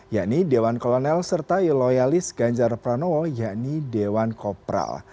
yakni dewan kolonel serta loyalis ganjar pranowo yakni dewan kopral